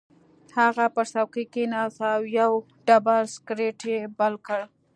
هغه پر څوکۍ کېناست او یو ډبل سګرټ یې بل کړ